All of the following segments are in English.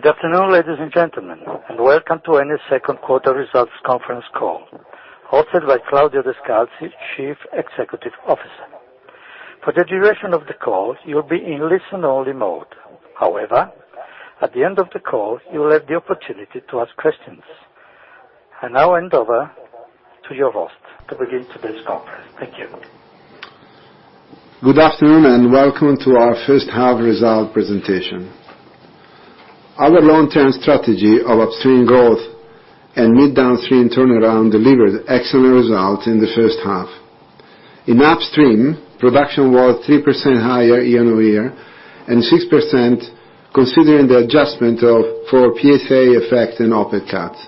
Good afternoon, ladies and gentlemen. Welcome to Eni's second quarter results conference call hosted by Claudio Descalzi, Chief Executive Officer. For the duration of the call, you'll be in listen-only mode. At the end of the call, you will have the opportunity to ask questions. I now hand over to your host to begin today's conference. Thank you. Good afternoon. Welcome to our first half result presentation. Our long-term strategy of upstream growth and mid downstream turnaround delivered excellent results in the first half. In upstream, production was 3% higher year-on-year, 6% considering the adjustment for PSA effects and OPEC cuts.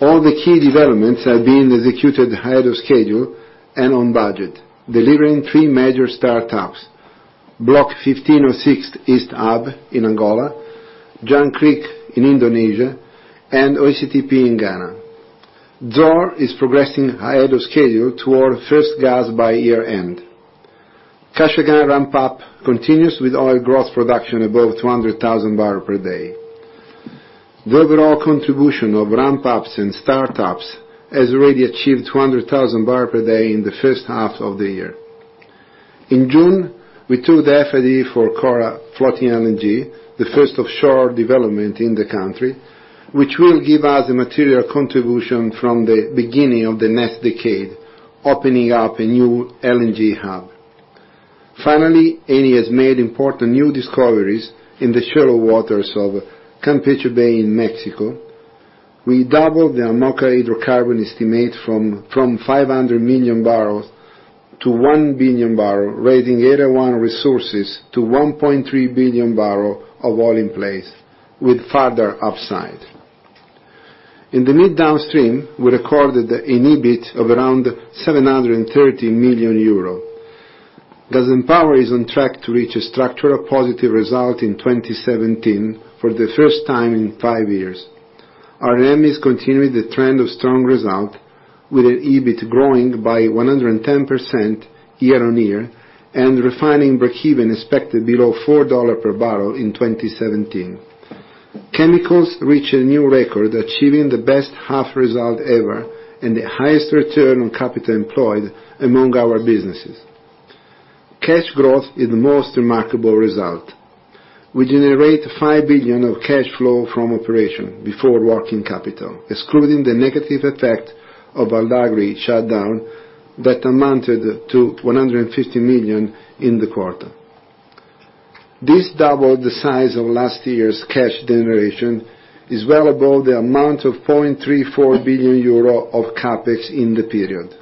All the key developments have been executed ahead of schedule and on budget, delivering three major startups: Block 1506 East Hub in Angola, Jangkrik in Indonesia, and OCTP in Ghana. Zohr is progressing ahead of schedule toward first gas by year-end. Kashagan ramp-up continues with oil gross production above 200,000 barrels per day. The overall contribution of ramp-ups and startups has already achieved 200,000 barrels per day in the first half of the year. In June, we took FID for Coral Floating LNG, the first offshore development in the country, which will give us a material contribution from the beginning of the next decade, opening up a new LNG hub. Eni has made important new discoveries in the shallow waters of Campeche Bay in Mexico. We doubled the Amoca hydrocarbon estimate from 500 million barrels to 1 billion barrels, raising Area 1 resources to 1.3 billion barrels of oil in place with further upside. In the mid downstream, we recorded an EBIT of around 730 million euro. Gas & Power is on track to reach a structural positive result in 2017 for the first time in five years. R&M has continued the trend of strong result, with an EBIT growing by 110% year-on-year, refining breakeven expected below $4 per barrel in 2017. Chemicals reached a new record, achieving the best half result ever and the highest return on capital employed among our businesses. Cash growth is the most remarkable result. We generate 5 billion of cash flow from operation before working capital, excluding the negative effect of a large shutdown that amounted to 150 million in the quarter. This, double the size of last year's cash generation, is well above the amount of 4.34 billion euro of CapEx in the period.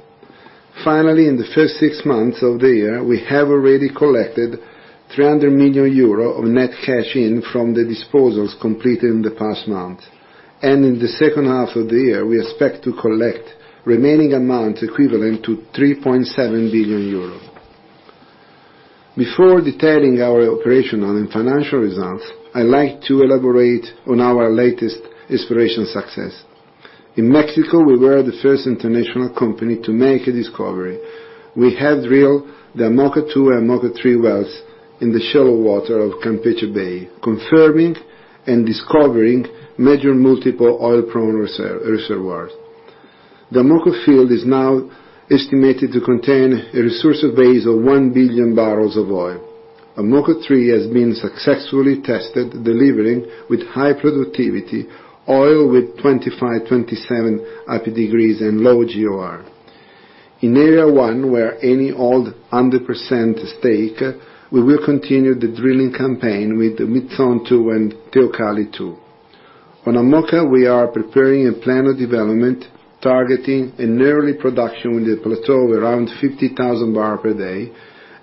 In the first six months of the year, we have already collected 300 million euro of net cash in from the disposals completed in the past month. In the second half of the year, we expect to collect remaining amounts equivalent to 3.7 billion euros. Before detailing our operational and financial results, I'd like to elaborate on our latest exploration success. In Mexico, we were the first international company to make a discovery. We have drilled the Amoca-2 and Amoca-3 wells in the shallow water of Campeche Bay, confirming and discovering major multiple oil-prone reservoirs. The Amoca field is now estimated to contain a resource base of 1 billion barrels of oil. Amoca-3 has been successfully tested, delivering with high productivity oil with 25, 27 API degrees and low GOR. In Area 1, where Eni hold 100% stake, we will continue the drilling campaign with Mizton-2 and Tecoalli-2. On Amoca, we are preparing a plan of development targeting an early production with a plateau of around 50,000 barrels per day.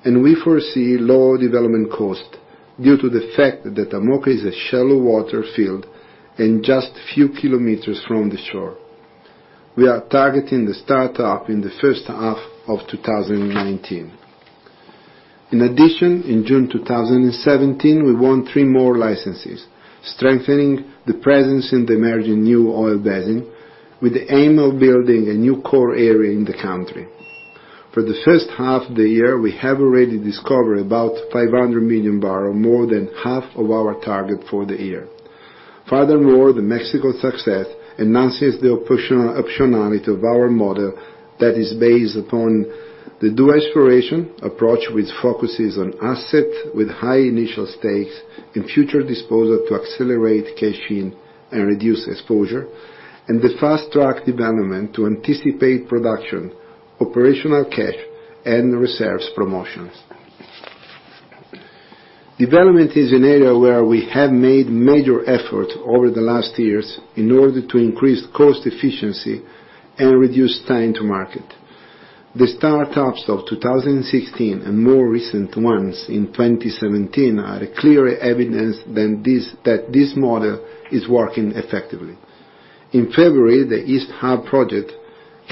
We foresee low development cost due to the fact that Amoca is a shallow water field and just few kilometers from the shore. We are targeting the startup in the first half of 2019. In addition, in June 2017, we won three more licenses, strengthening the presence in the emerging new oil basin with the aim of building a new core area in the country. For the first half of the year, we have already discovered about 500 million barrels, more than half of our target for the year. Furthermore, the Mexico success enhances the optionality of our model that is based upon the dual exploration model, which focuses on assets with high initial stakes and future disposal to accelerate cash in and reduce exposure, and the fast-track development to anticipate production, operational cash, and reserves promotions. Development is an area where we have made major efforts over the last years in order to increase cost efficiency and reduce time to market. The startups of 2016 and more recent ones in 2017 are a clear evidence that this model is working effectively. In February, the East Hub project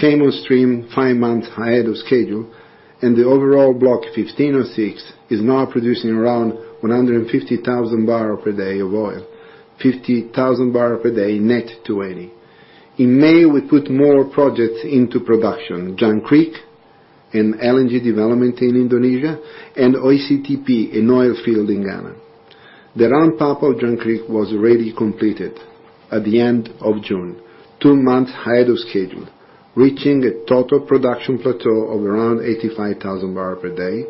came on stream five months ahead of schedule. The overall Block 1506 is now producing around 150,000 barrels per day of oil, 50,000 barrels per day net to Eni. In May, we put more projects into production. Jangkrik And LNG development in Indonesia, and OCTP, an oil field in Ghana. The ramp-up of Jangkrik was already completed at the end of June, two months ahead of schedule, reaching a total production plateau of around 85,000 barrel per day,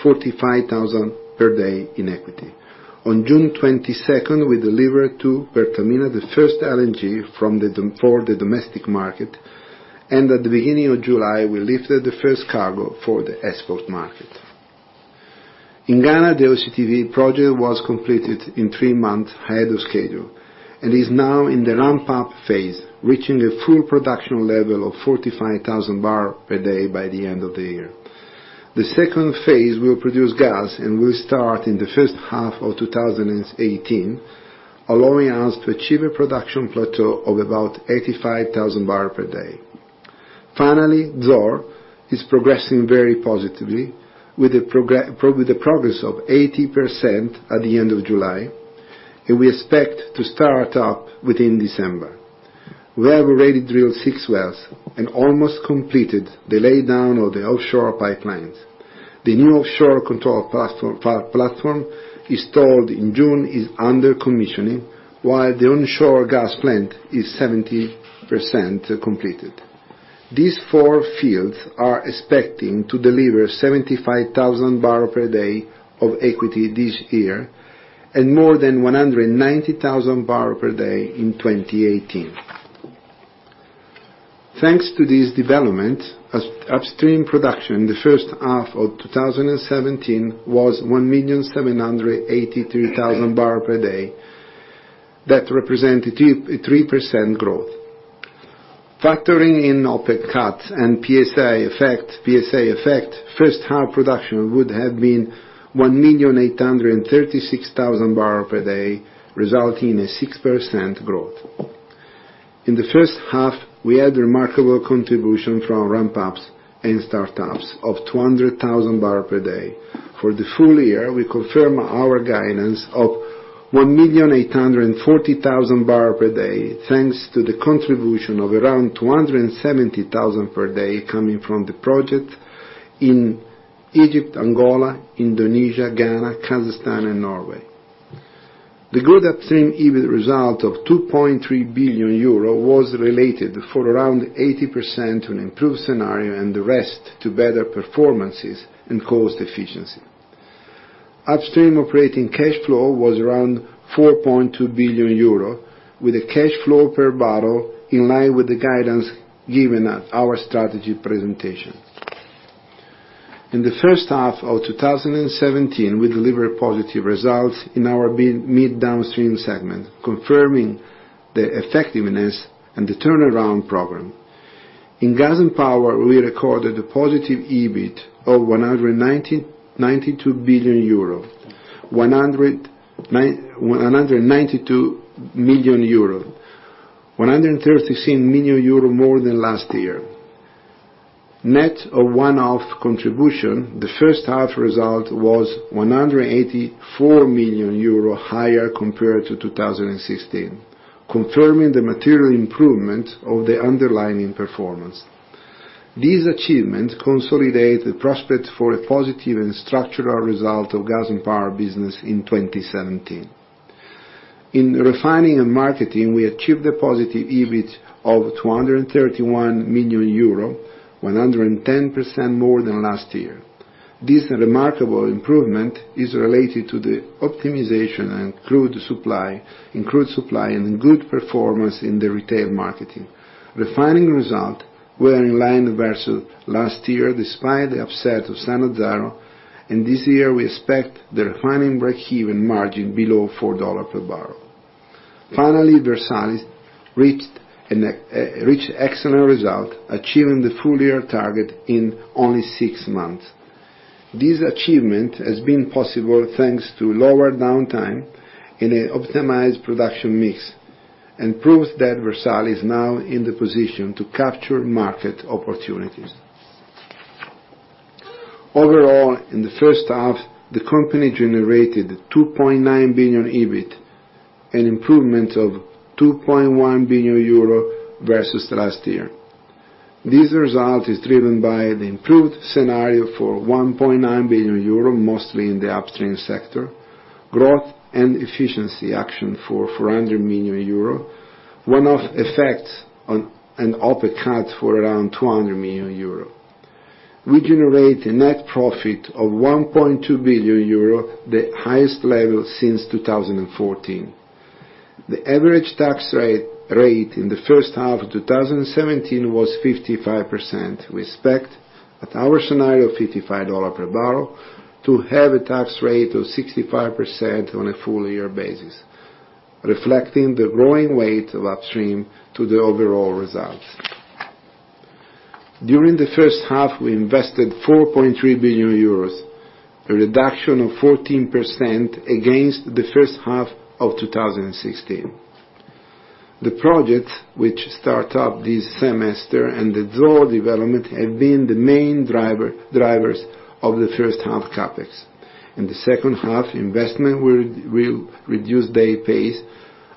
45,000 per day in equity. On June 22nd, we delivered to Pertamina the first LNG for the domestic market. At the beginning of July, we lifted the first cargo for the export market. In Ghana, the OCTP project was completed in three months ahead of schedule, and is now in the ramp-up phase, reaching a full production level of 45,000 barrel per day by the end of the year. The second phase will produce gas and will start in the first half of 2018, allowing us to achieve a production plateau of about 85,000 barrel per day. Finally, Zohr is progressing very positively, with the progress of 80% at the end of July, and we expect to start up within December. We have already drilled six wells and almost completed the laydown of the offshore pipelines. The new offshore control platform installed in June is under commissioning, while the onshore gas plant is 70% completed. These four fields are expecting to deliver 75,000 barrel per day of equity this year, and more than 190,000 barrel per day in 2018. Thanks to this development, Upstream production in the first half of 2017 was 1,783,000 barrel per day. That represent a 3% growth. Factoring in OPEC cuts and PSA effect, first half production would have been 1,836,000 barrel per day, resulting in a 6% growth. In the first half, we had remarkable contribution from ramp-ups and start-ups of 200,000 barrel per day. For the full year, we confirm our guidance of 1,840,000 barrel per day, thanks to the contribution of around 270,000 per day coming from the project in Egypt, Angola, Indonesia, Ghana, Kazakhstan, and Norway. The good Upstream EBIT result of 2.3 billion euro was related for around 80% to an improved scenario and the rest to better performances and cost efficiency. Upstream operating cash flow was around 4.2 billion euro, with a cash flow per barrel in line with the guidance given at our strategy presentation. In the first half of 2017, we delivered positive results in our Midstream segment, confirming the effectiveness and the turnaround program. In Gas & Power, we recorded a positive EBIT of 192 million euro, 136 million euro more than last year. Net of one-off contribution, the first half result was 184 million euro higher compared to 2016, confirming the material improvement of the underlying performance. This achievement consolidate the prospect for a positive and structural result of Gas & Power business in 2017. In Refining and Marketing, we achieved a positive EBIT of 231 million euro, 110% more than last year. This remarkable improvement is related to the optimization in crude supply and good performance in the retail marketing. Refining result were in line versus last year, despite the upset of Sannazzaro, and this year we expect the refining breakeven margin below 4 dollars per barrel. Finally, Versalis reached excellent result, achieving the full-year target in only six months. This achievement has been possible thanks to lower downtime and an optimized production mix, and proves that Versalis is now in the position to capture market opportunities. Overall, in the first half, the company generated 2.9 billion EBIT, an improvement of 2.1 billion euro versus last year. This result is driven by the improved scenario for 1.9 billion euro, mostly in the Upstream sector, growth and efficiency action for 400 million euro. One of effects on an OPEC cut for around 200 million euro. We generate a net profit of 1.2 billion euro, the highest level since 2014. The average tax rate in the first half of 2017 was 55%, respect at our scenario of 55 dollars per barrel to have a tax rate of 65% on a full year basis, reflecting the growing weight of Upstream to the overall results. During the first half, we invested 4.3 billion euros, a reduction of 14% against the first half of 2016. The project which start up this semester and the Zohr development have been the main drivers of the first half CapEx. In the second half, investment will reduce their pace,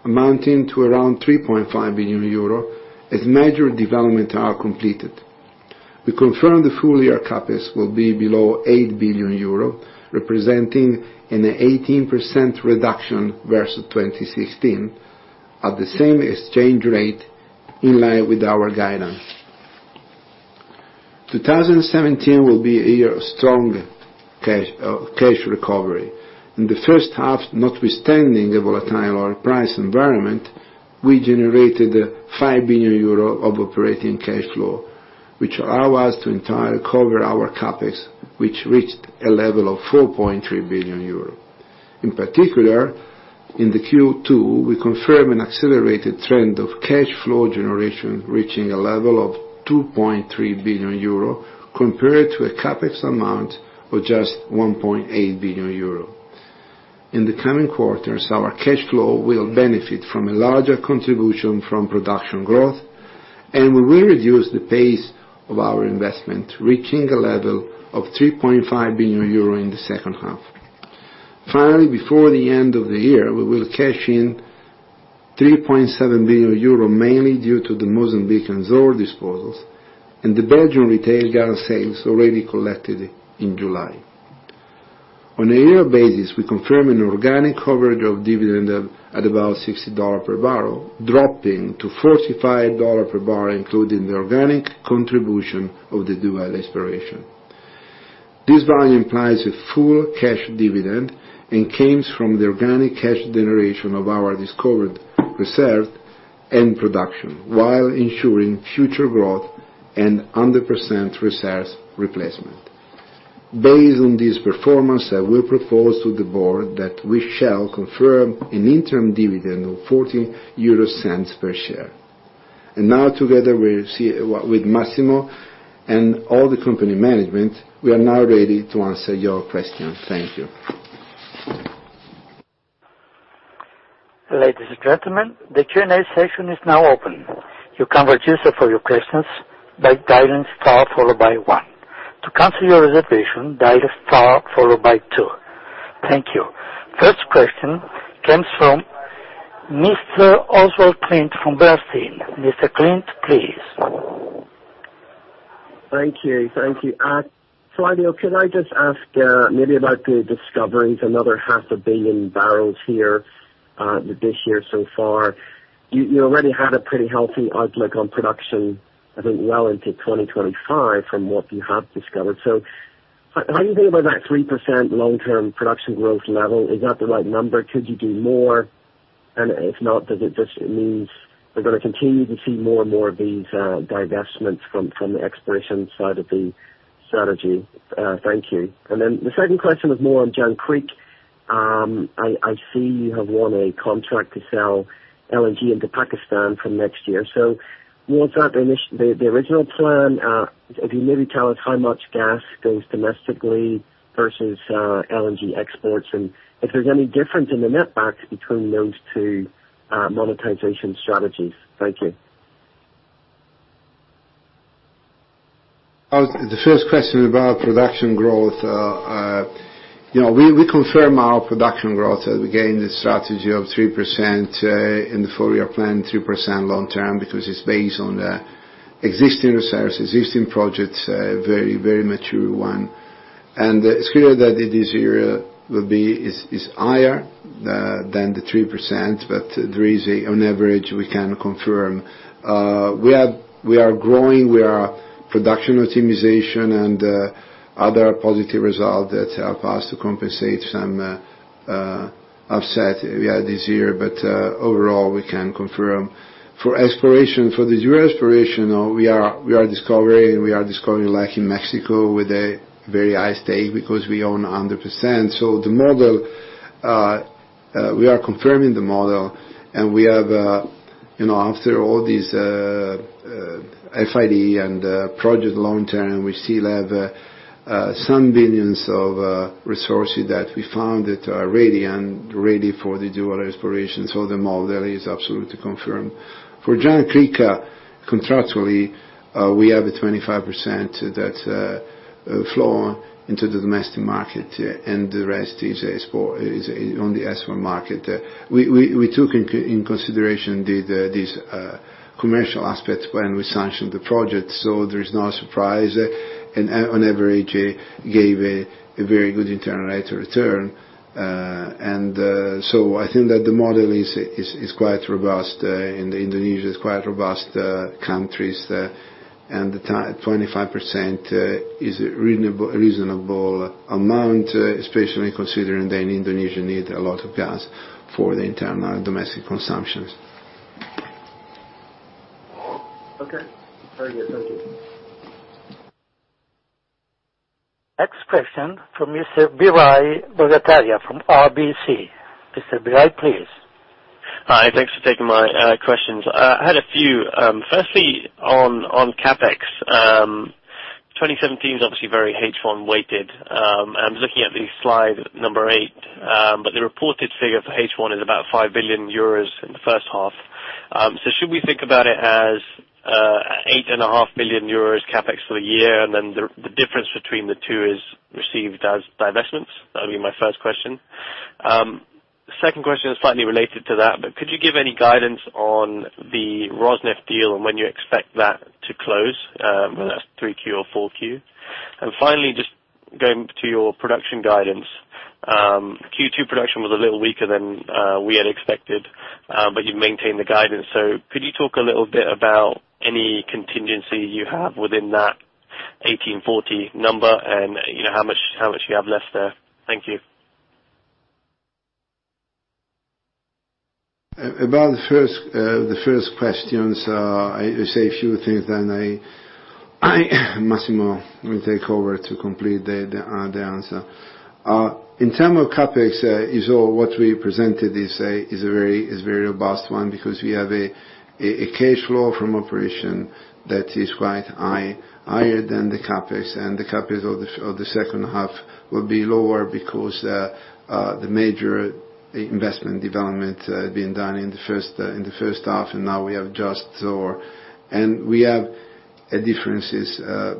amounting to around 3.5 billion euro as major development are completed. We confirm the full year CapEx will be below 8 billion euro, representing an 18% reduction versus 2016 at the same exchange rate in line with our guidance. 2017 will be a year of strong cash recovery. In the first half, notwithstanding a volatile oil price environment, we generated 5 billion euro of operating cash flow, which allow us to entirely cover our CapEx, which reached a level of 4.3 billion euro. In particular, in the Q2, we confirm an accelerated trend of cash flow generation reaching a level of 2.3 billion euro, compared to a CapEx amount of just 1.8 billion euro. In the coming quarters, our cash flow will benefit from a larger contribution from production growth, and we will reduce the pace of our investment, reaching a level of 3.5 billion euro in the second half. Finally, before the end of the year, we will cash in 3.7 billion euro, mainly due to the Mozambican zone disposals and the Belgian retail gas sales already collected in July. On a year basis, we confirm an organic coverage of dividend at about $60 per barrel, dropping to $45 per barrel, including the organic contribution of the dual exploration. This value implies a full cash dividend and comes from the organic cash generation of our discovered reserves and production, while ensuring future growth and 100% reserves replacement. Based on this performance, I will propose to the board that we shall confirm an interim dividend of 0.14 per share. Now together with Massimo and all the company management, we are now ready to answer your questions. Thank you. Ladies and gentlemen, the Q&A session is now open. You can register for your questions by dialing star followed by one. To cancel your reservation, dial star followed by two. Thank you. First question comes from Mr. Oswald Clint from Bernstein. Mr. Clint, please. Thank you. Claudio, can I just ask maybe about the discoveries, another half a billion barrels this year so far. You already had a pretty healthy outlook on production, I think well into 2025 from what you have discovered. How do you think about that 3% long-term production growth level? Is that the right number? Could you do more? If not, does it just means we're going to continue to see more and more of these divestments from the exploration side of the strategy? Thank you. Then the second question is more on Jangkrik. I see you have won a contract to sell LNG into Pakistan from next year. Was that the original plan? If you maybe tell us how much gas goes domestically versus LNG exports, and if there's any difference in the net backs between those two monetization strategies. Thank you. The first question about production growth. We confirm our production growth as we gain the strategy of 3% in the 4-year plan, 3% long term, because it's based on existing reserves, existing projects, a very mature one. It's clear that this year is higher than the 3%, but on average, we can confirm. We are growing, we are production optimization, and other positive results that help us to compensate some offset we had this year. Overall, we can confirm. For the dual exploration, we are discovering like in Mexico with a very high stake because we own 100%. We are confirming the model, and after all this FID and project long term, we still have some billions of resources that we found that are ready and ready for the dual exploration. The model is absolutely confirmed. For Jangkrik, contractually, we have a 25% that flow into the domestic market, and the rest is on the export market. We took in consideration these commercial aspects when we sanctioned the project, there is no surprise. On average, it gave a very good internal rate of return. I think that the model is quite robust, and Indonesia is quite robust countries, and the 25% is a reasonable amount, especially considering that Indonesia need a lot of gas for the internal domestic consumptions. Okay. Very good. Thank you. Next question from Mr. Biraj Borgohain from RBC. Mr. Biraj, please. Hi. Thanks for taking my questions. I had a few. Firstly, on CapEx, 2017 is obviously very H1 weighted. I'm looking at the slide 8, but the reported figure for H1 is about €5 billion in the first half. Should we think about it as €8.5 billion CapEx for the year, and then the difference between the two is received as divestments? That would be my first question. Second question is slightly related to that, could you give any guidance on the Rosneft deal and when you expect that to close? Whether that's 3Q or 4Q. Finally, just going to your production guidance. Q2 production was a little weaker than we had expected, but you've maintained the guidance. Could you talk a little bit about any contingency you have within that 18.40 number and how much you have left there? Thank you. About the first questions, I say a few things, then Massimo will take over to complete the answer. In terms of CapEx, what we presented is a very robust one, because we have a cash flow from operation that is quite higher than the CapEx. The CapEx of the second half will be lower because the major investment development being done in the first half, and now we have just Zohr. We have differences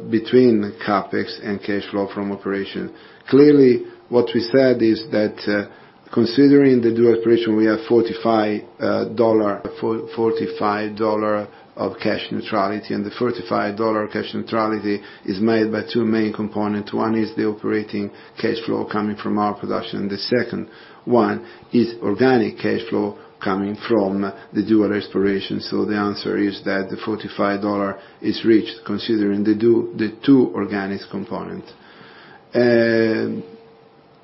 between CapEx and cash flow from operation. Clearly, what we said is that, considering the dual operation, we have $45 of cash neutrality, and the $45 cash neutrality is made by two main components. One is the operating cash flow coming from our production, and the second one is organic cash flow coming from the dual exploration. The answer is that the $45 is reached considering the two organic components.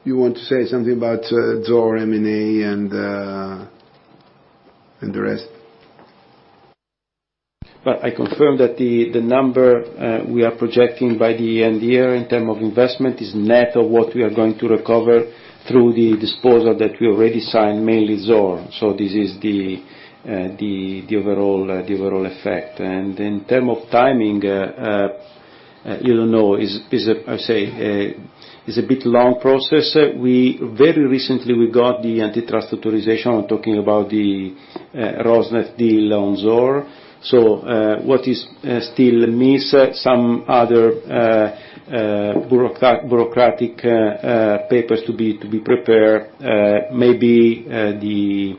You want to say something about Zohr M&A and the rest? Well, I confirm that the number we are projecting by the end year in terms of investment is net of what we are going to recover through the disposal that we already signed, mainly Zohr. This is the overall effect. In terms of timing, is a bit long process. Very recently, we got the antitrust authorization. I'm talking about the Rosneft deal on Zohr. What is still missing some other bureaucratic papers to be prepared. Maybe the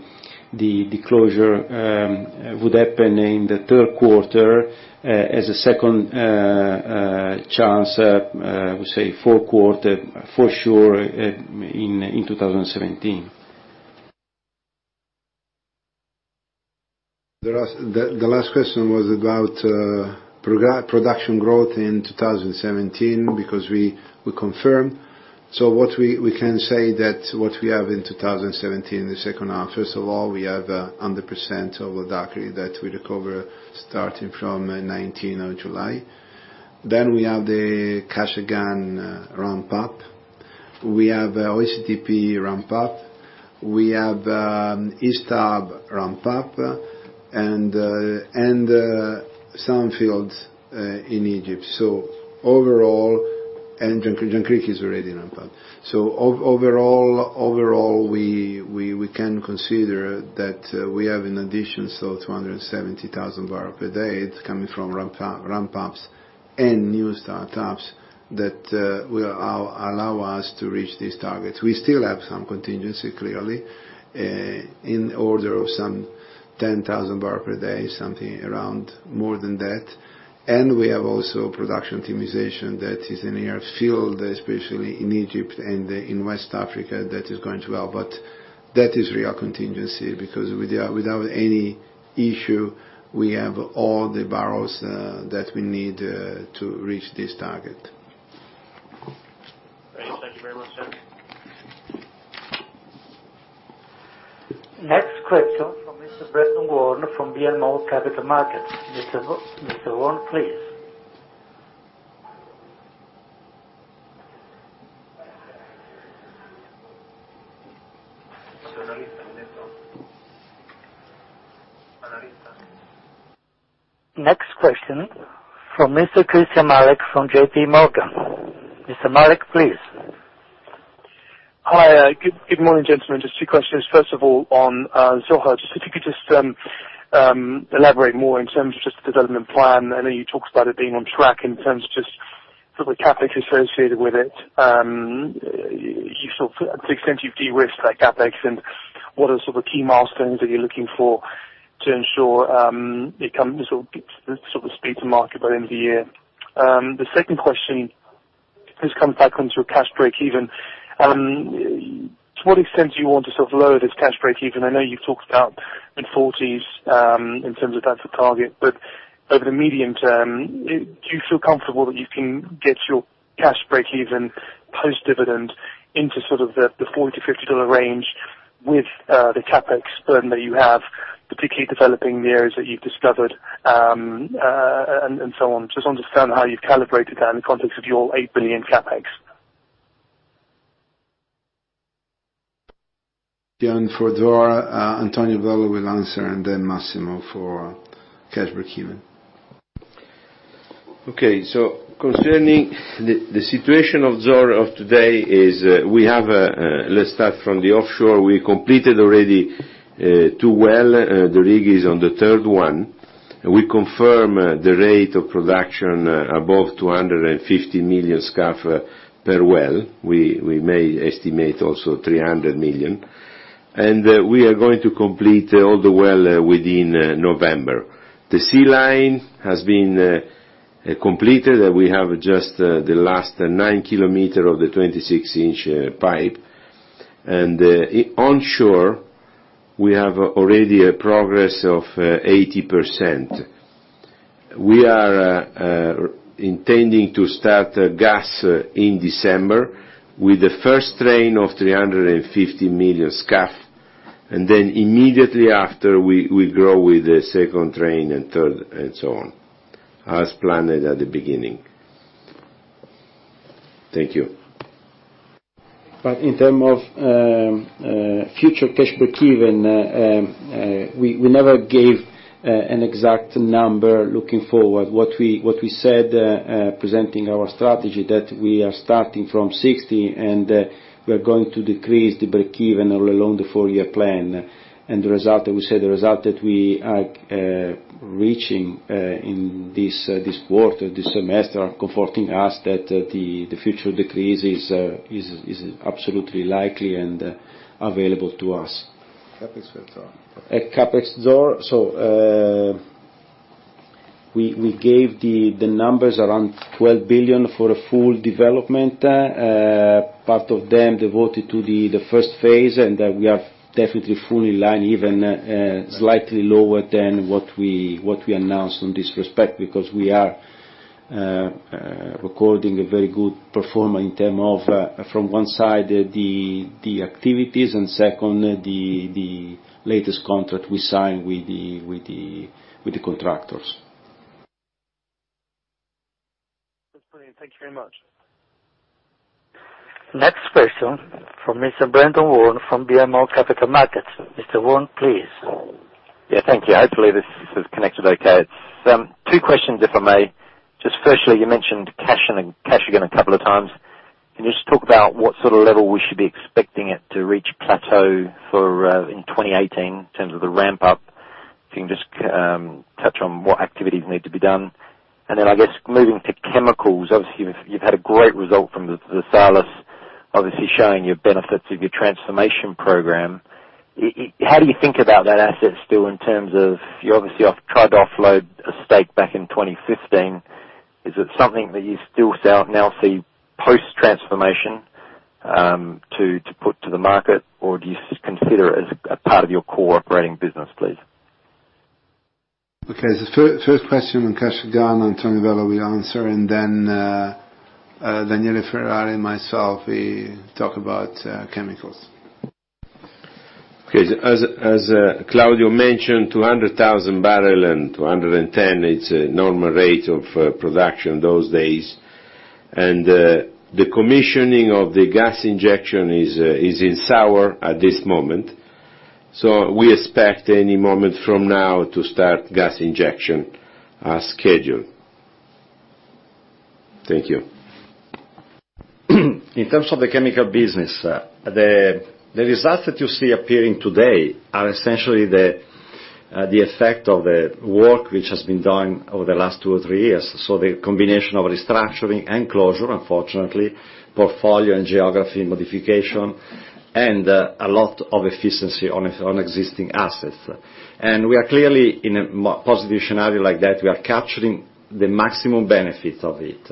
closure would happen in the 3Q as a second chance, I would say 4Q for sure, in 2017. The last question was about production growth in 2017 because we confirm. What we can say that what we have in 2017, the second half, first of all, we have 100% of the Dakhlah that we recover starting from 19 of July. We have the Kashagan ramp-up. We have OCTP ramp-up. We have [start-up] ramp-up, and some fields in Egypt. Jangkrik is already ramped up. Overall, we can consider that we have in addition, 270,000 barrel per day coming from ramp-ups and new start-ups that will allow us to reach these targets. We still have some contingency, clearly, in order of some 10,000 barrel per day, something around more than that. We have also production optimization that is in a field, especially in Egypt and in West Africa that is going to help. That is real contingency, because without any issue, we have all the barrels that we need to reach this target. Thank you very much, sir. Next question from Mr. Brendan Warn from BMO Capital Markets. Mr. Warn, please. Next question from Mr. Christyan Malek from J.P. Morgan. Mr. Malek, please. Hi. Good morning, gentlemen. Just two questions. On Zohr, if you could just elaborate more in terms of just the development plan. I know you talked about it being on track in terms of just sort of the CapEx associated with it. You sort of to the extent you've de-risked that CapEx, what are sort of key milestones that you're looking for to ensure it sort of speaks to market by the end of the year? The second question, this comes back onto cash break-even. To what extent do you want to sort of lower this cash break-even? I know you've talked about mid-40s, in terms of that for target. Over the medium term, do you feel comfortable that you can get your cash break-even post-dividend into sort of the $40-$50 range with the CapEx burden that you have, particularly developing the areas that you've discovered, and so on? Just understand how you've calibrated that in the context of your $8 billion CapEx. For Zohr, Antonio Vella will answer, and then Massimo for cash break-even. Concerning the situation of Zohr of today, let's start from the offshore. We completed already two wells, the rig is on the third one. We confirm the rate of production above 250 million scf/d per well. We may estimate also 300 million. We are going to complete all the well within November. The sea line has been completed. We have just the last 9 km of the 26-inch pipe. Onshore, we have already a progress of 80%. We are intending to start gas in December with the first train of 350 million scf/d, Immediately after, we grow with the second train and third, and so on, as planned at the beginning. Thank you. In term of future cash break-even, we never gave an exact number looking forward. What we said, presenting our strategy, that we are starting from 60, and we are going to decrease the break-even all along the four-year plan. The result that we said, the result that we are reaching in this quarter, this semester, comforting us that the future decrease is absolutely likely and available to us. CapEx for it all. At CapEx, we gave the numbers around 12 billion for a full development. Part of them devoted to the first phase. We are definitely fully in line, even slightly lower than what we announced in this respect, because we are recording a very good performance from one side, the activities. Second, the latest contract we signed with the contractors. That's brilliant. Thank you very much. Next question from Mr. Brendan Warn from BMO Capital Markets. Mr. Warn, please. Yeah, thank you. Hopefully, this is connected okay. Two questions, if I may. Just firstly, you mentioned Kashagan a couple of times. Can you just talk about what sort of level we should be expecting it to reach plateau in 2018 in terms of the ramp up? If you can just touch on what activities need to be done. I guess, moving to chemicals, obviously, you've had a great result from the Versalis, obviously showing your benefits of your transformation program. How do you think about that asset still in terms of, you obviously tried to offload a stake back in 2015. Is it something that you still now see post-transformation to put to the market, or do you consider it as a part of your core operating business, please? Okay, the first question on Kashagan, Antonio will answer. Daniele Ferrari and myself, we talk about chemicals. Okay. As Claudio mentioned, 200,000 barrel and 210, it's a normal rate of production those days. The commissioning of the gas injection is in sour at this moment. We expect any moment from now to start gas injection as scheduled. Thank you. In terms of the chemical business, the results that you see appearing today are essentially the effect of the work which has been done over the last two or three years. The combination of restructuring and closure, unfortunately, portfolio and geography modification, a lot of efficiency on existing assets. We are clearly in a positive scenario like that. We are capturing the maximum benefit of it.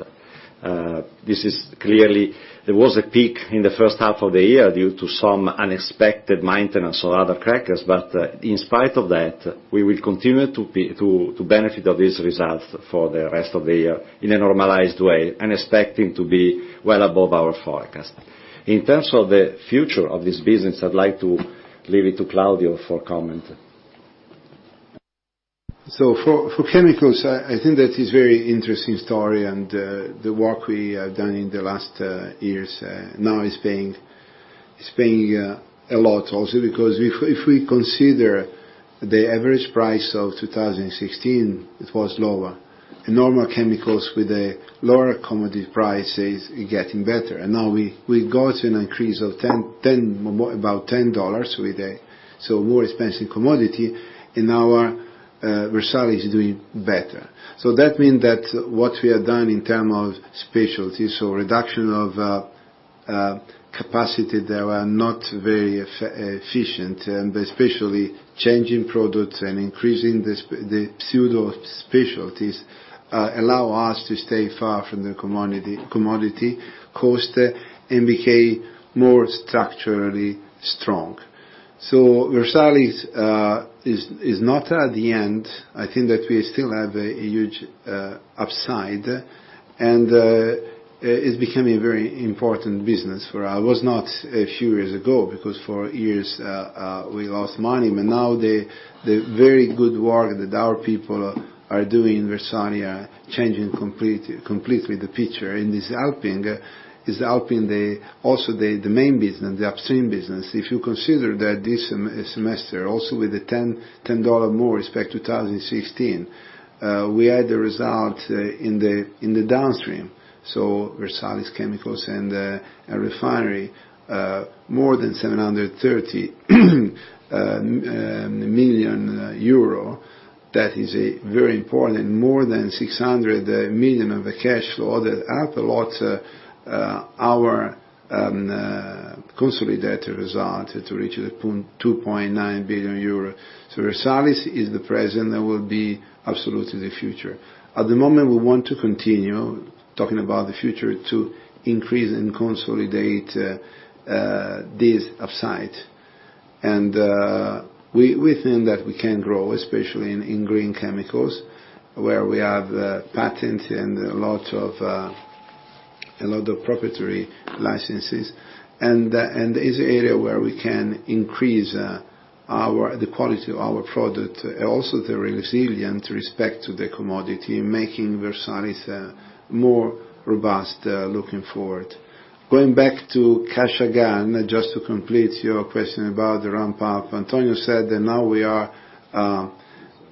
There was a peak in the first half of the year due to some unexpected maintenance on other crackers. In spite of that, we will continue to benefit of these results for the rest of the year in a normalized way and expecting to be well above our forecast. In terms of the future of this business, I'd like to leave it to Claudio for comment. For chemicals, I think that is very interesting story, the work we have done in the last years now is paying a lot also because if we consider the average price of 2016, it was lower. Normal chemicals with a lower commodity price is getting better. Now we got an increase of about EUR 10 with a so more expensive commodity, now Versalis is doing better. That mean that what we have done in term of specialties or reduction of capacity that were not very efficient, but especially changing products and increasing the pseudo specialties, allow us to stay far from the commodity cost and became more structurally strong. Versalis is not at the end. I think that we still have a huge upside, it's becoming a very important business, where I was not a few years ago because for years, we lost money. Now the very good work that our people are doing in Versalis, changing completely the picture, it's helping also the main business, the upstream business. If you consider that this semester, also with the EUR 10 more respect 2016, we had the result in the downstream Versalis Chemicals and Refinery, more than 730 million euro. That is a very important, more than 600 million of the cash flow that helped a lot our consolidated result to reach the 2.9 billion euro. Versalis is the present, and will be absolutely the future. At the moment, we want to continue talking about the future to increase and consolidate this upside. We think that we can grow, especially in green chemicals, where we have patent and a lot of proprietary licenses. Is an area where we can increase the quality of our product, also the resilient respect to the commodity, making Versalis more robust looking forward. Going back to Kashagan, just to complete your question about the ramp-up, Antonio said that now we are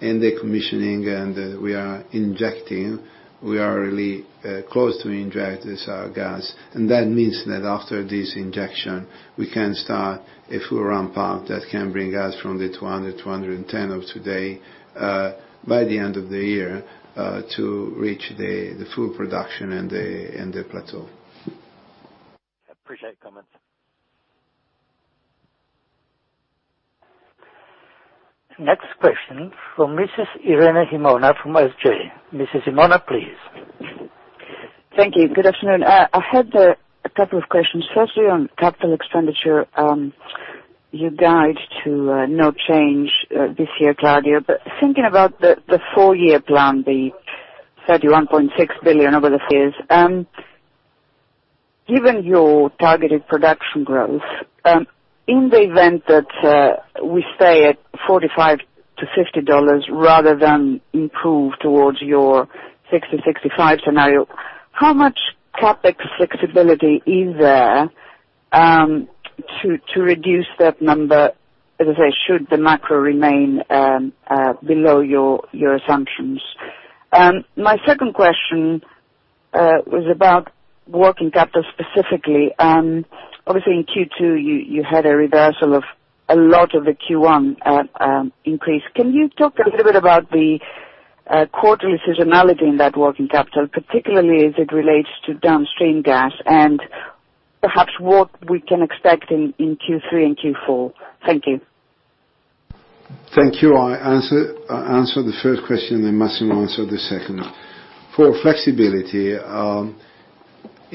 in the commissioning and we are injecting. We are really close to inject this gas. That means that after this injection, we can start a full ramp-up that can bring us from the 200,000, 210,000 of today by the end of the year to reach the full production in the plateau. Appreciate the comments. Next question from Mrs. Irene Himona from SG. Mrs. Himona, please. Thank you. Good afternoon. I had a couple of questions. Firstly, on capital expenditure. You guide to no change this year, Claudio. Thinking about the four-year plan, the 31.6 billion over the years. Given your targeted production growth, in the event that we stay at 45 to EUR 50, rather than improve towards your 60, 65 scenario, how much CapEx flexibility is there to reduce that number, as I say, should the macro remain below your assumptions? My second question was about working capital specifically. Obviously, in Q2, you had a reversal of a lot of the Q1 increase. Can you talk a little bit about the quarterly seasonality in that working capital, particularly as it relates to downstream gas, and perhaps what we can expect in Q3 and Q4? Thank you. Thank you. I answer the first question, then Massimo answer the second. For flexibility,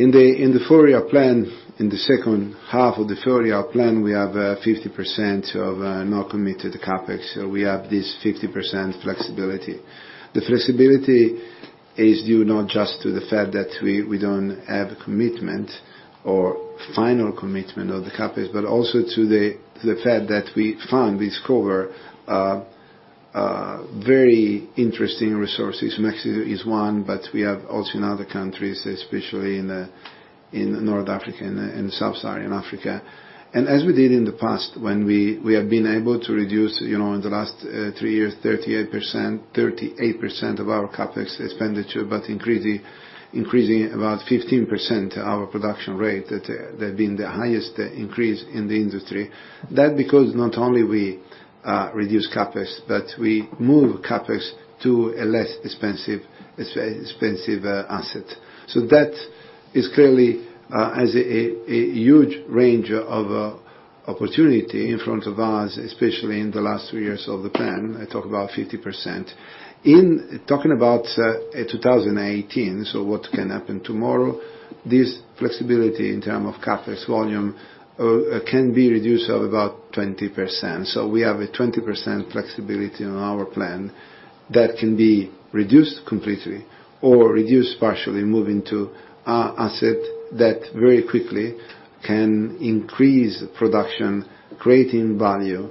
in the four-year plan, in the second half of the four-year plan, we have 50% of not committed CapEx. We have this 50% flexibility. The flexibility is due not just to the fact that we don't have commitment or final commitment of the CapEx, but also to the fact that we found, discover very interesting resources. Mexico is one, but we have also in other countries, especially in North Africa and Sub-Saharan Africa. As we did in the past, when we have been able to reduce, in the last three years, 38% of our CapEx expenditure, but increasing about 15% our production rate. That have been the highest increase in the industry. That because not only we reduce CapEx, but we move CapEx to a less expensive asset. That is clearly has a huge range of opportunity in front of us, especially in the last three years of the plan. I talk about 50%. In talking about 2018, what can happen tomorrow, this flexibility in term of CapEx volume can be reduced of about 20%. We have a 20% flexibility on our plan that can be reduced completely or reduced partially, moving to asset that very quickly can increase production, creating value,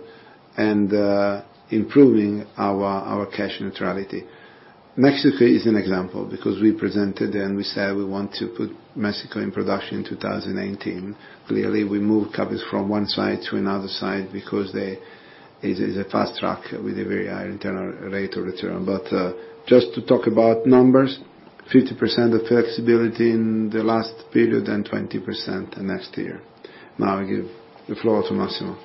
and improving our cash neutrality. Mexico is an example, because we presented and we said we want to put Mexico in production in 2018. Clearly, we moved CapEx from one side to another side because is a fast track with a very high internal rate of return. Just to talk about numbers, 50% of flexibility in the last period and 20% next year. Now I give the floor to Massimo.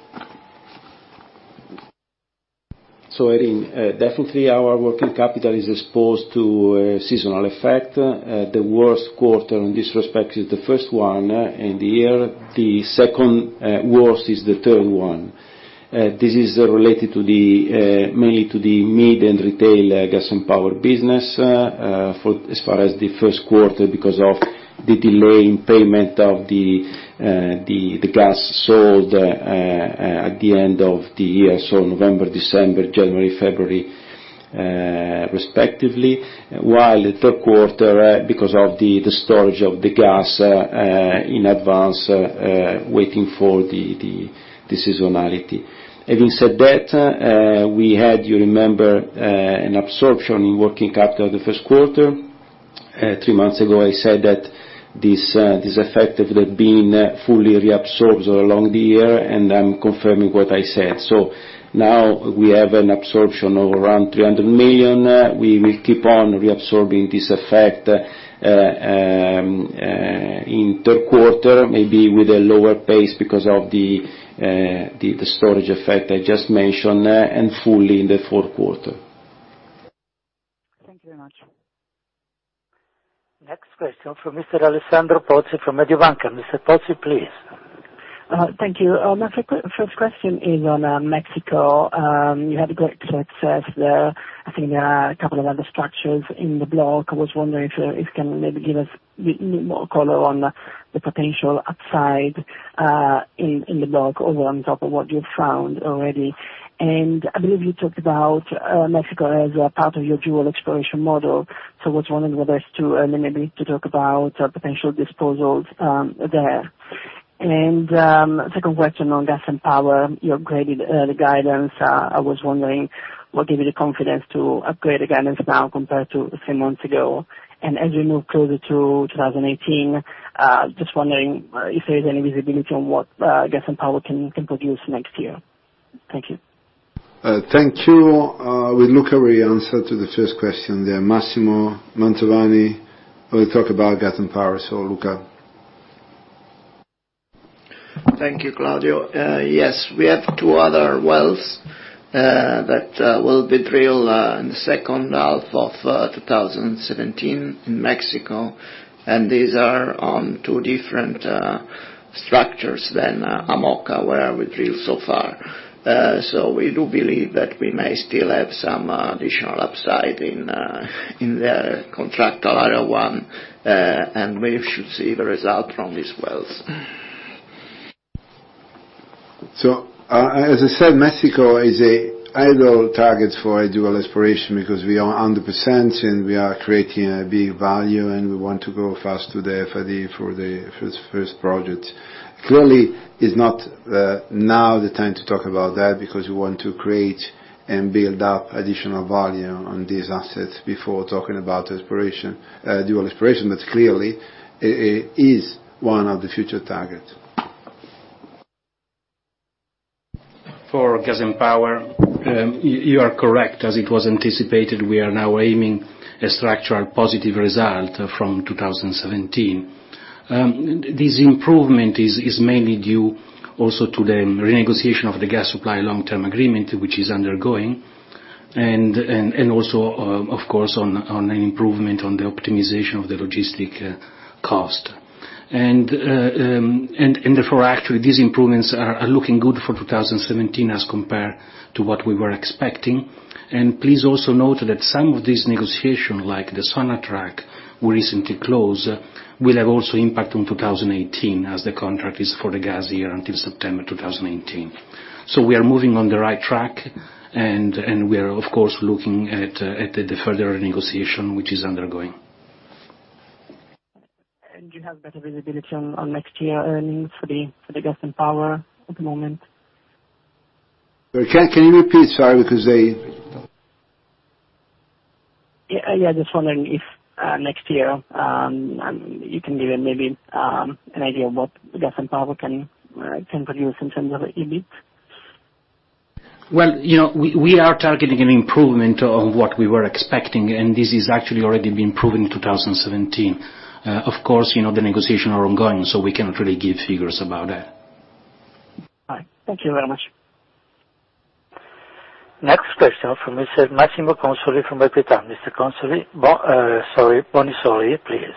Irene, definitely our working capital is exposed to a seasonal effect. The worst quarter in this respect is the first one in the year. The second worst is the third one. This is related mainly to the mid and retail Gas & Power business as far as the first quarter because of the delay in payment of the gas sold at the end of the year. November, December, January, February, respectively. The third quarter because of the storage of the gas in advance waiting for the seasonality. Having said that, we had, you remember, an absorption in working capital the first quarter Three months ago, I said that this effect would have been fully reabsorbed along the year, I'm confirming what I said. Now we have an absorption of around 300 million. We will keep on reabsorbing this effect in third quarter, maybe with a lower pace because of the storage effect I just mentioned, and fully in the fourth quarter. Thank you very much. Next question from Mr. Alessandro Pozzi from Mediobanca. Mr. Pozzi, please. Thank you. My first question is on Mexico. You had great success there. I think there are a couple of other structures in the block. I was wondering if you can maybe give us more color on the potential upside in the block over on top of what you've found already. I believe you talked about Mexico as a part of your dual exploration model. I was wondering whether to maybe talk about potential disposals there. Second question on Gas & Power, you upgraded the guidance. I was wondering what gave you the confidence to upgrade the guidance now compared to three months ago? As we move closer to 2018, just wondering if there is any visibility on what Gas & Power can produce next year. Thank you. Thank you. With Luca, we answer to the first question. Massimo Mantovani will talk about Gas & Power. Luca. Thank you, Claudio. Yes, we have two other wells that will be drilled in the second half of 2017 in Mexico, these are on two different structures than Amoca, where we drill so far. We do believe that we may still have some additional upside in their Contract Area 1, we should see the result from these wells. As I said, Mexico is an ideal target for a dual exploration because we are 100% we are creating a big value, we want to go fast to the FID for the first project. Clearly, is not now the time to talk about that because we want to create and build up additional value on these assets before talking about dual exploration, it is one of the future targets. For Gas & Power, you are correct. As it was anticipated, we are now aiming a structural positive result from 2017. This improvement is mainly due also to the renegotiation of the gas supply long-term agreement, which is undergoing, also, of course, on an improvement on the optimization of the logistic cost. Therefore, actually, these improvements are looking good for 2017 as compared to what we were expecting. Please also note that some of these negotiation, like the Sonatrach we recently closed, will have also impact on 2018 as the contract is for the gas year until September 2018. We are moving on the right track, we are, of course, looking at the further negotiation which is undergoing. Do you have better visibility on next year earnings for the Gas & Power at the moment? Can you repeat, sorry, because they Just wondering if next year, you can give maybe an idea of what Gas & Power can produce in terms of EBIT? We are targeting an improvement of what we were expecting, and this is actually already been proven in 2017. Of course, the negotiation are ongoing, so we can't really give figures about that. All right. Thank you very much. Next question from Mr. Massimo Consoli from Equita. Mr. Consoli. Sorry, Bonissoli, please.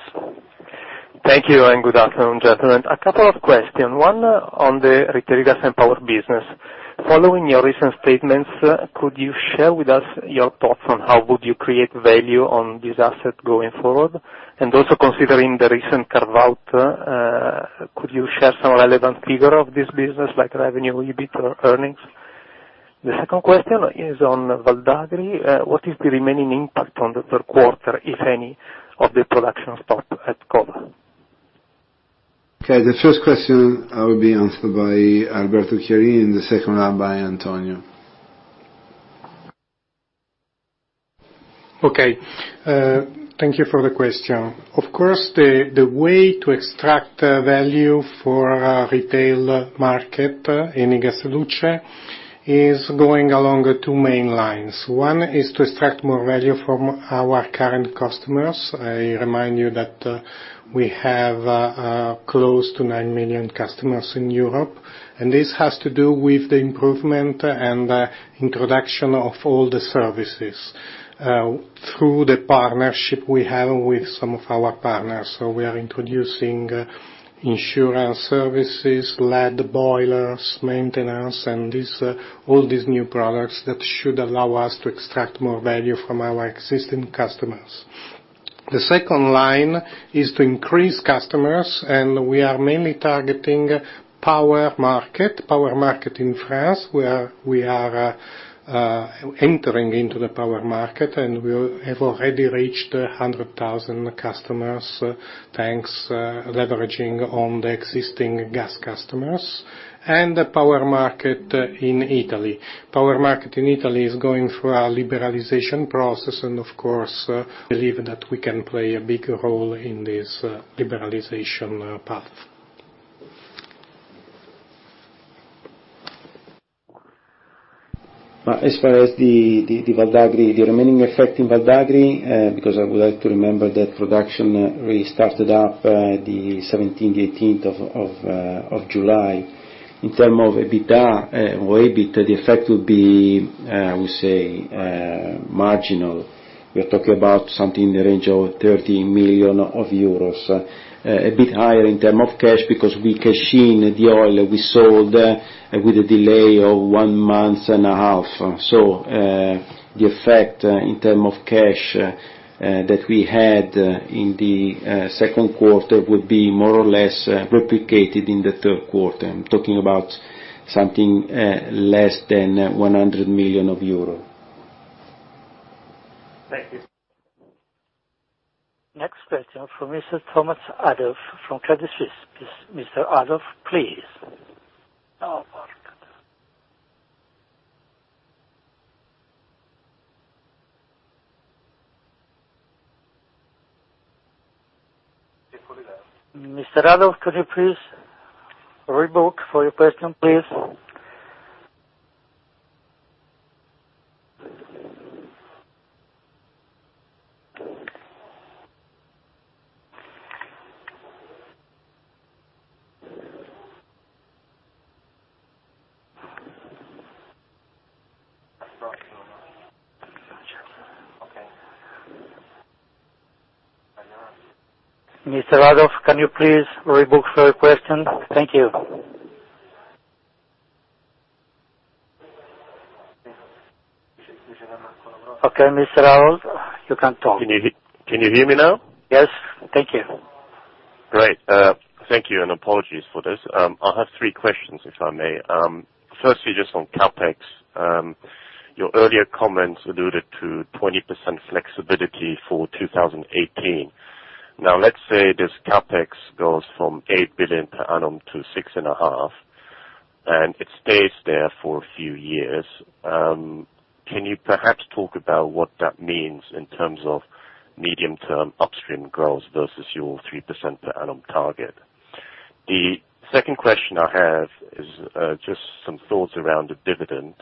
Thank you. Good afternoon, gentlemen. A couple of questions. One on the retail gas and power business. Following your recent statements, could you share with us your thoughts on how would you create value on this asset going forward? Also considering the recent carve-out, could you share some relevant figure of this business like revenue, EBIT, or earnings? The second question is on Val d'Agri. What is the remaining impact on the third quarter, if any, of the production stop at COVA? The first question will be answered by Alberto Chierici, the second one by Antonio. Thank you for the question. The way to extract value for our retail market in Eni gas e luce is going along two main lines. One is to extract more value from our current customers. I remind you that we have close to 9 million customers in Europe. This has to do with the improvement and introduction of all the services through the partnership we have with some of our partners. We are introducing insurance services, lead boilers, maintenance, and all these new products that should allow us to extract more value from our existing customers. The second line is to increase customers. We are mainly targeting power market in France, where we are entering into the power market. We have already reached 100,000 customers, thanks leveraging on the existing gas customers. The power market in Italy. Power market in Italy is going through a liberalization process. Believe that we can play a big role in this liberalization path. As far as the remaining effect in Val d'Agri, because I would like to remember that production really started up the 17th, 18th of July. In term of EBITDA or EBIT, the effect would be, I would say, marginal. We are talking about something in the range of 30 million euros. A bit higher in term of cash because we cash in the oil we sold with a delay of one month and a half. The effect in term of cash that we had in the second quarter would be more or less replicated in the third quarter. I'm talking about something less than EUR 100 million. Thank you. Next question from Mr. Thomas Adolff from Credit Suisse. Mr. Adolff, please. Mr. Adolff, could you please rebook for your question, please? Mr. Adolff, can you please rebook for your question? Thank you. Okay, Mr. Adolff, you can talk. Can you hear me now? Yes. Thank you. Great. Thank you. Apologies for this. I have three questions, if I may. Firstly, just on CapEx. Your earlier comments alluded to 20% flexibility for 2018. Now, let's say this CapEx goes from 8 billion per annum to 6.5 billion, and it stays there for a few years. Can you perhaps talk about what that means in terms of medium term upstream growth versus your 3% per annum target? The second question I have is just some thoughts around the dividend,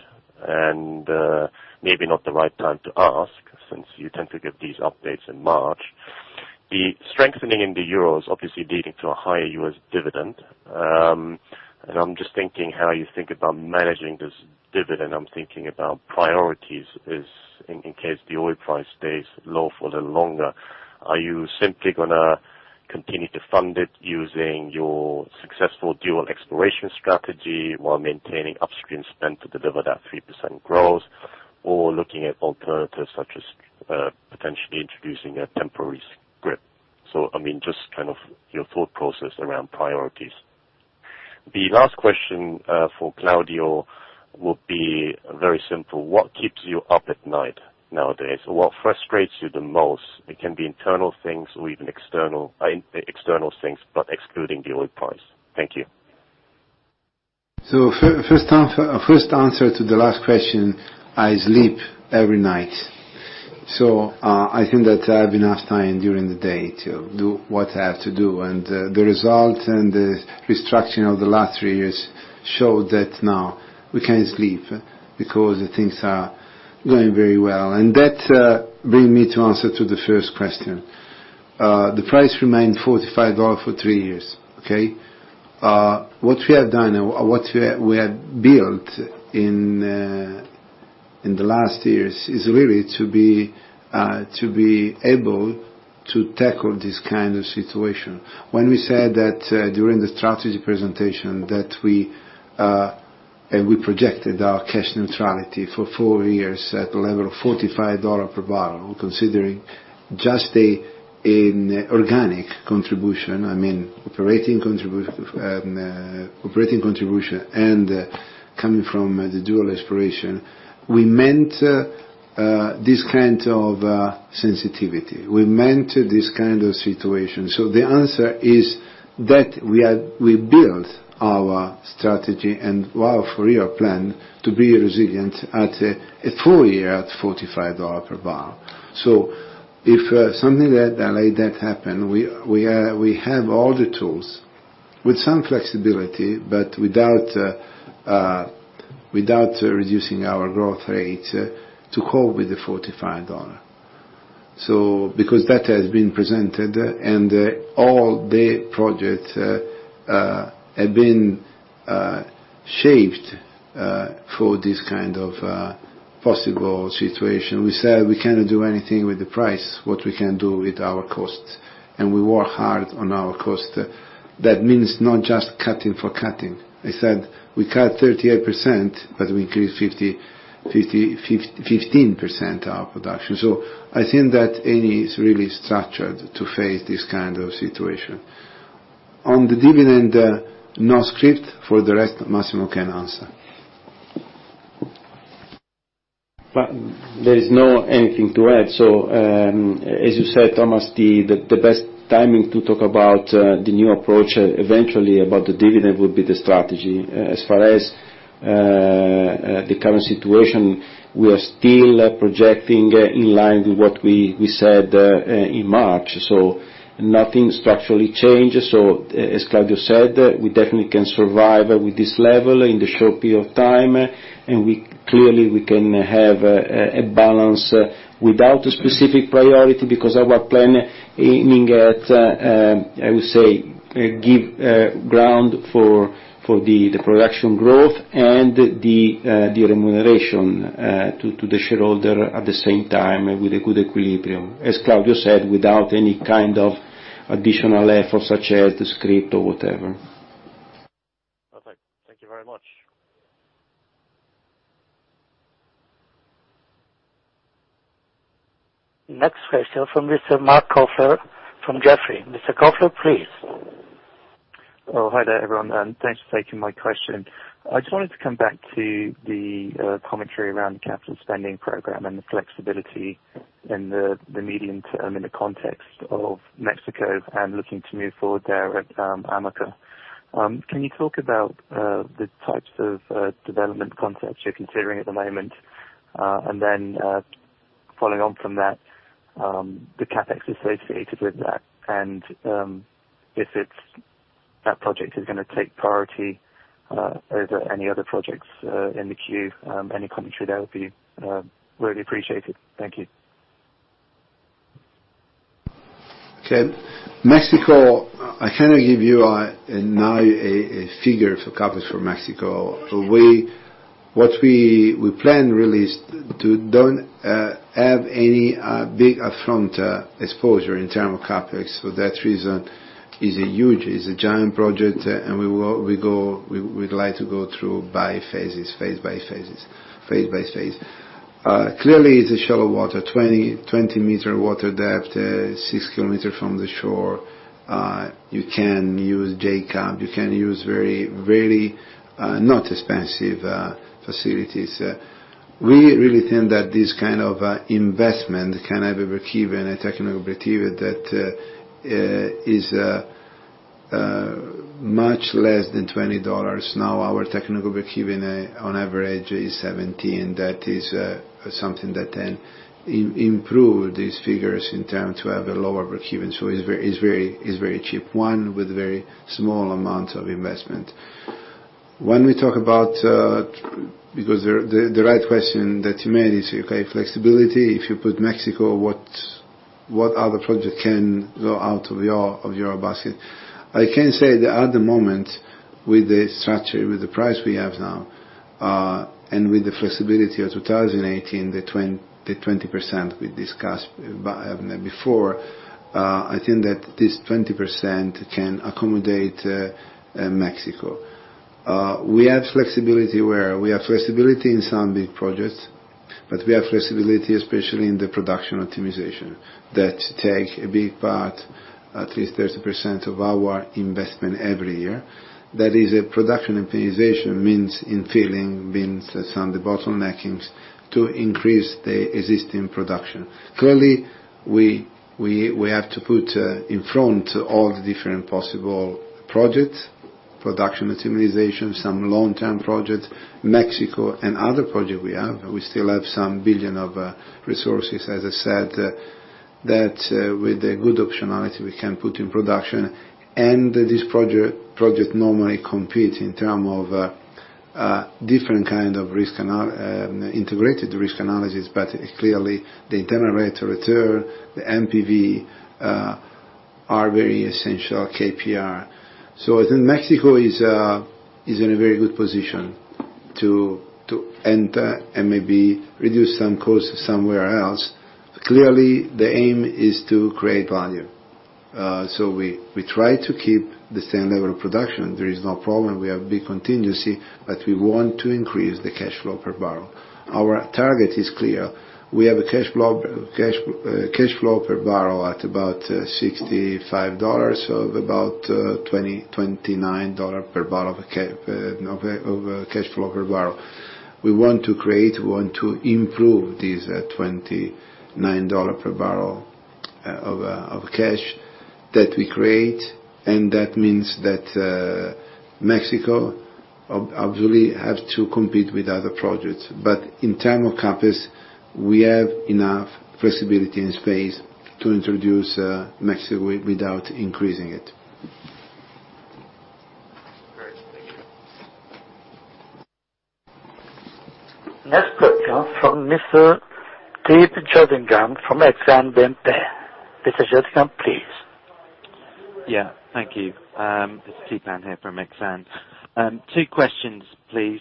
maybe not the right time to ask, since you tend to give these updates in March. The strengthening in the euro is obviously leading to a higher U.S. dividend. I'm just thinking how you think about managing this dividend. I'm thinking about priorities is, in case the oil price stays low for a little longer. Are you simply going to continue to fund it using your successful dual exploration strategy while maintaining upstream spend to deliver that 3% growth? Looking at alternatives such as potentially introducing a temporary script. I mean, just your thought process around priorities. The last question for Claudio would be very simple. What keeps you up at night nowadays? What frustrates you the most? It can be internal things or even external things, but excluding the oil price. Thank you. First answer to the last question, I sleep every night. I think that I have enough time during the day to do what I have to do, and the result and the restructuring of the last three years show that now we can sleep because things are going very well. That bring me to answer to the first question. The price remained $45 for three years, okay? What we have done or what we have built in the last years is really to be able to tackle this kind of situation. When we said that during the strategy presentation, that we projected our cash neutrality for four years at a level of $45 per barrel, considering just an organic contribution, operating contribution and coming from the dual exploration. We meant this kind of sensitivity. We meant this kind of situation. The answer is that we built our strategy and our three-year plan to be resilient at a full year at $45 per barrel. If something like that happen, we have all the tools, with some flexibility, but without reducing our growth rate, to cope with the $45. Because that has been presented, and all the projects have been shaped for this kind of possible situation. We said we cannot do anything with the price. What we can do with our costs, and we work hard on our cost. That means not just cutting for cutting. I said we cut 38%, but we increased 15% our production. I think that Eni is really structured to face this kind of situation. On the dividend, no script. For the rest, Massimo can answer. There is no anything to add. As you said, Thomas, the best timing to talk about the new approach eventually about the dividend would be the strategy. As far as the current situation, we are still projecting in line with what we said in March, so nothing structurally changed. As Claudio said, we definitely can survive with this level in the short period of time, and clearly, we can have a balance without a specific priority because our plan aiming at, I would say, give ground for the production growth and the remuneration to the shareholder at the same time with a good equilibrium. As Claudio said, without any kind of additional effort such as script or whatever. Perfect. Thank you very much. Next question from Mr. Mark Coffer from Jefferies. Mr. Coffer, please. Hi there, everyone. Thanks for taking my question. I just wanted to come back to the commentary around the capital spending program and the flexibility in the medium term in the context of Mexico and looking to move forward there at Amoca. Can you talk about the types of development concepts you're considering at the moment? Following on from that, the CapEx associated with that and if that project is going to take priority over any other projects in the queue. Any commentary there would be really appreciated. Thank you. Mexico, I cannot give you now a figure for CapEx for Mexico. What we plan really is to don't have any big upfront exposure in term of CapEx. For that reason, is a huge, is a giant project, and we'd like to go through phase by phase. Clearly, it's a shallow water, 20-meter water depth, six kilometers from the shore. You can use jackup. You can use very not expensive facilities. We really think that this kind of investment can have a breakeven, a technical breakeven that is much less than EUR 20. Now our technical breakeven, on average, is 17. That is something that can improve these figures in terms of having a lower breakeven. Is very cheap, one with very small amounts of investment. The right question that you made is flexibility. If you put Mexico, what other project can go out of your basket? I can say that at the moment, with the structure, with the price we have now, and with the flexibility of 2018, the 20% we discussed before, I think that this 20% can accommodate Mexico. We have flexibility where? We have flexibility in some big projects, but we have flexibility, especially in the production optimization. That take a big part, at least 30% of our investment every year. That is a production optimization, means in filling, means some de-bottlenecking to increase the existing production. Clearly, we have to put in front all the different possible projects, production optimization, some long-term projects, Mexico and other project we have. We still have some billion of resources, as I said, that with the good optionality we can put in production, and this project normally compete in term of different kind of integrated risk analysis, but clearly the internal rate of return, the NPV are very essential KPI. I think Mexico is in a very good position to enter and maybe reduce some costs somewhere else. The aim is to create value. We try to keep the same level of production. There is no problem. We have big contingency, but we want to increase the cash flow per barrel. Our target is clear. We have a cash flow per barrel at about $65, of about $29 per barrel of cash flow per barrel. We want to create, we want to improve this $29 per barrel of cash that we create, that means that Mexico obviously have to compete with other projects. In term of CapEx, we have enough flexibility and space to introduce Mexico without increasing it. Great. Thank you. Next question from Mr. Steve Jottingham from Exane BNP. Mr. Jottingham, please. Yeah. Thank you. It's Steve Pan here from Exane. Two questions, please.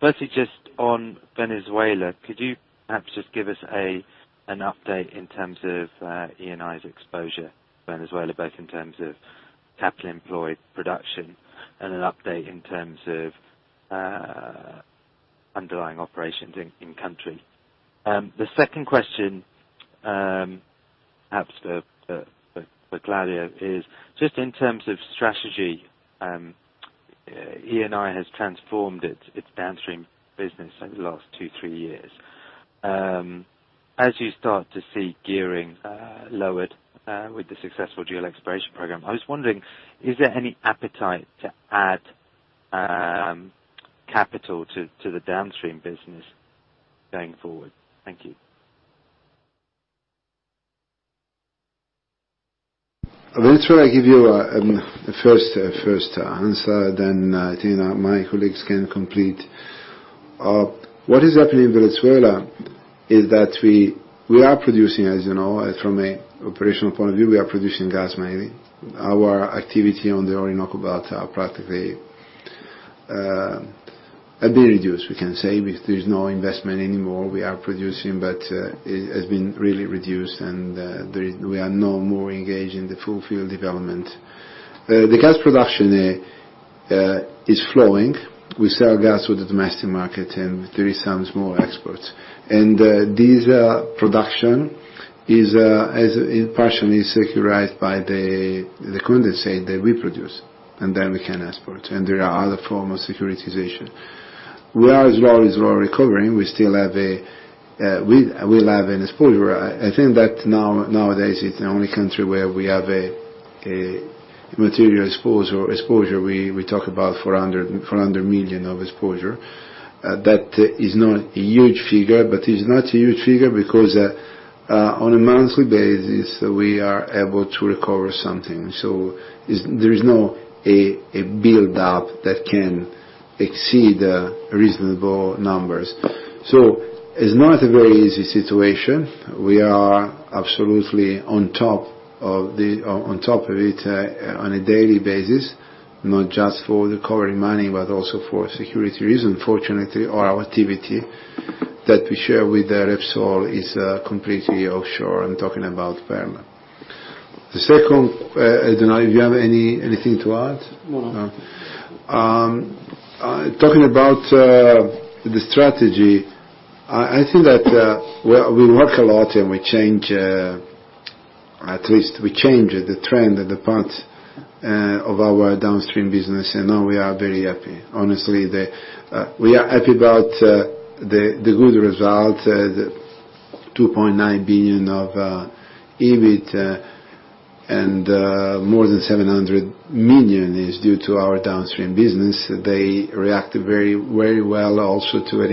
Firstly, just on Venezuela, could you perhaps just give us an update in terms of Eni's exposure Venezuela, both in terms of capital employed production and an update in terms of underlying operations in country? The second question Perhaps for Claudio is just in terms of strategy, Eni has transformed its downstream business in the last two, three years. As you start to see gearing lowered with the successful dual exploration model, I was wondering, is there any appetite to add capital to the downstream business going forward? Thank you. I'm going to give you a first answer, then I think that my colleagues can complete. What is happening in Venezuela is that we are producing, as you know, from an operational point of view, we are producing gas mainly. Our activity on the Orinoco Belt are practically have been reduced, we can say, because there is no investment anymore. We are producing, but it has been really reduced and we are no more engaged in the full field development. The gas production is flowing. We sell gas to the domestic market, and there is some small exports. This production partially is securitized by the condensate that we produce, then we can export. There are other form of securitization. Where as well is we're recovering, we still have an exposure. I think that nowadays it's the only country where we have a material exposure. We talk about 400 million of exposure. That is not a huge figure, but it is not a huge figure because on a monthly basis, we are able to recover something. There is no build-up that can exceed reasonable numbers. It's not a very easy situation. We are absolutely on top of it on a daily basis, not just for recovering money, but also for security reasons. Fortunately, our activity that we share with the Repsol is completely offshore. I'm talking about Perla. The second, I don't know if you have anything to add? No. Talking about the strategy, I think that we work a lot, we change, at least we change the trend and the path of our downstream business, now we are very happy. Honestly, we are happy about the good result, the 2.9 billion of EBIT and more than 700 million is due to our downstream business. They reacted very well also to an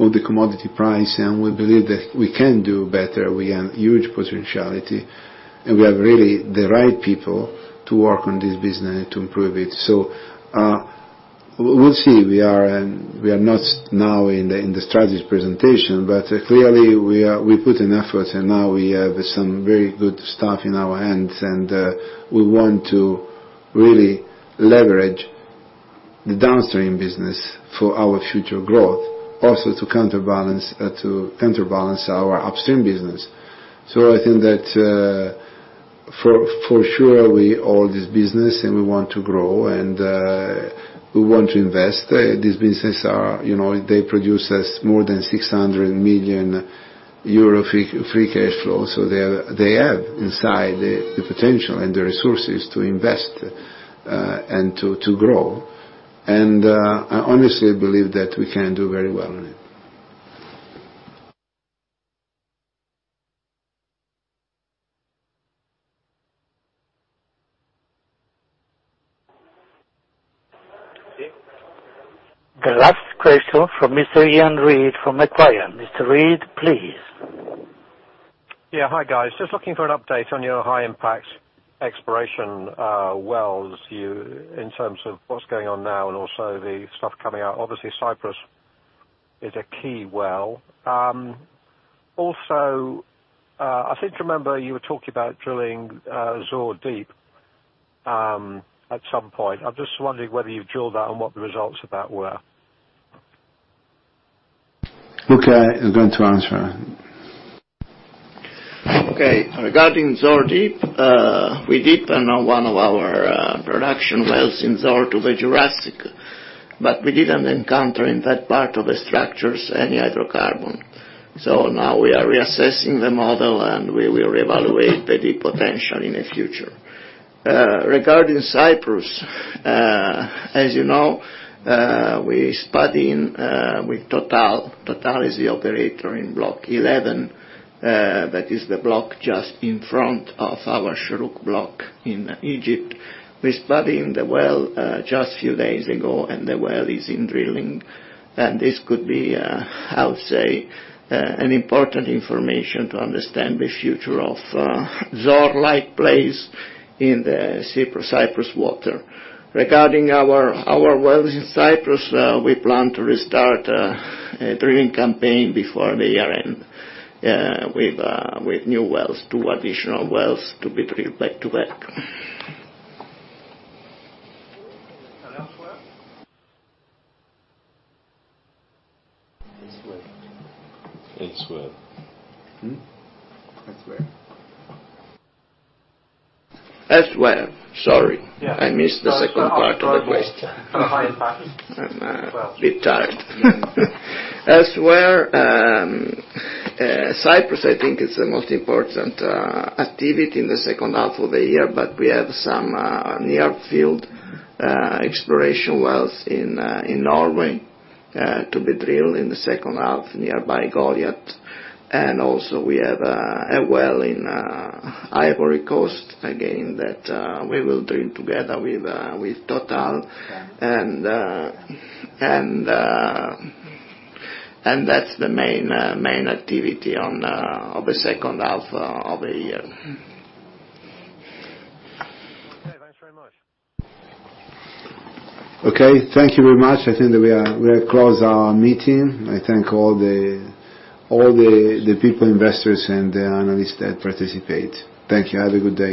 increase on the commodity price, we believe that we can do better. We have huge potentiality, we have really the right people to work on this business to improve it. We'll see. We are not now in the strategy presentation, but clearly we put in effort now we have some very good stuff in our hands. We want to really leverage the downstream business for our future growth, also to counterbalance our upstream business. I think that for sure, we own this business and we want to grow and we want to invest. These businesses produce us more than 600 million euro free cash flow. They have inside the potential and the resources to invest and to grow. I honestly believe that we can do very well on it. Okay. The last question from Mr. Iain Reid from Macquarie. Mr. Reid, please. Hi, guys. Just looking for an update on your high-impact exploration wells, in terms of what's going on now and also the stuff coming out. Obviously, Cyprus is a key well. I seem to remember you were talking about drilling Zohr deep at some point. I'm just wondering whether you've drilled that and what the results of that were. Luca is going to answer. Regarding Zohr deep, we deepened one of our production wells in Zohr to the Jurassic. We didn't encounter in that part of the structures any hydrocarbon. Now we are reassessing the model, and we will reevaluate the deep potential in the future. Regarding Cyprus, as you know, we spud in with Total. Total is the operator in Block 11. That is the block just in front of our Shorouk block in Egypt. We spudded in the well just a few days ago, and the well is in drilling. This could be, I would say, an important information to understand the future of Zohr-like plays in the Cyprus water. Regarding our wells in Cyprus, we plan to restart a drilling campaign before the year-end with new wells, two additional wells to be drilled back to back. Elsewhere? Elsewhere. Elsewhere. Sorry. I missed the second part of the question. Sorry, elsewhere wells. I'm a bit tired. Elsewhere, Cyprus I think is the most important activity in the second half of the year, but we have some near-field exploration wells in Norway to be drilled in the second half nearby Goliat. Also, we have a well in Ivory Coast again that we will drill together with Total. That's the main activity of the second half of the year. Okay. Thanks very much. Okay. Thank you very much. I think that we close our meeting. I thank all the people, investors, and the analysts that participate. Thank you. Have a good day.